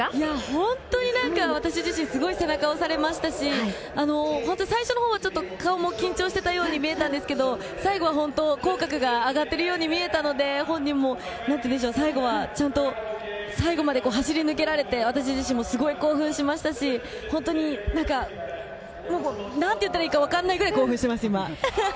本当に私自身、すごく背中を押されましたし、最初のほうは顔も緊張していたように見えたんですけど、最後は口角が上がっているように見えたので、本人も最後はちゃんと最後まで走り抜けられて私自身も興奮しましたし、何て言ったらいいかわからないぐらい興奮してます。